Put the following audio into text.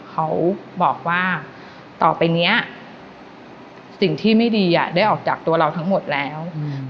เขาบอกว่าต่อไปเนี้ยสิ่งที่ไม่ดีได้ออกจากตัวเราทั้งหมดแล้ว